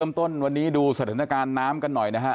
ต้นวันนี้ดูสถานการณ์น้ำกันหน่อยนะฮะ